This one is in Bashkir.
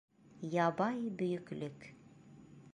Ябай бөйөклөк